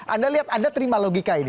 anda lihat anda terima logika ini